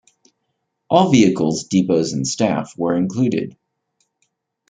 All vehicles, depots and staff were included.